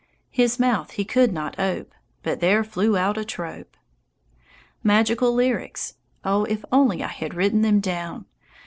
"His mouth he could not ope, But there flew out a trope." Magical lyrics oh, if I only had written them down!